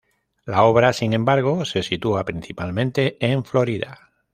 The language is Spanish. La obra, sin embargo, se sitúa principalmente en Florida.